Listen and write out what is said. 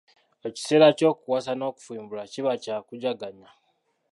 Ekiseera ky'okuwasa n'okufumbirwa kiba kyakujaganya.